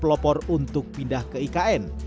pelopor untuk pindah ke ikn